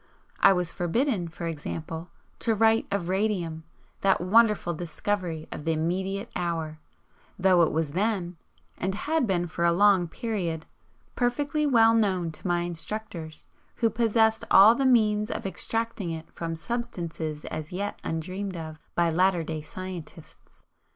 I was forbidden, for example, to write of radium, that wonderful 'discovery' of the immediate hour, though it was then, and had been for a long period, perfectly well known to my instructors, who possessed all the means of extracting it from substances as yet undreamed of by latter day scientists.